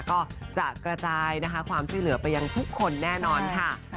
ก็จะกระจายนะคะความช่วยเหลือไปยังทุกคนแน่นอนค่ะ